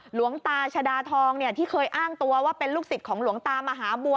หลวงตาชดาทองที่เคยอ้างตัวว่าเป็นลูกศิษย์ของหลวงตามหาบัว